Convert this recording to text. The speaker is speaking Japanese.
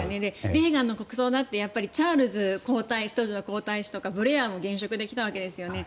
レーガンの国葬だって当時のチャールズ皇太子とかブレアも現職できたわけですよね。